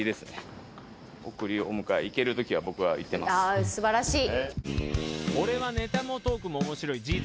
ああ素晴らしい。